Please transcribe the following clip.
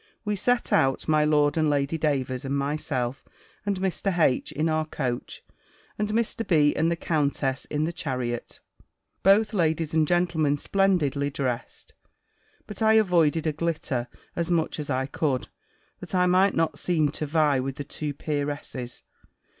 We set out, my Lord and Lady Davers, and myself, and Mr. H. in our coach, and Mr. B. and the countess in the chariot; both ladies and the gentlemen splendidly dressed; but I avoided a glitter as much as I could, that I might not seem to vie with the two peeresses.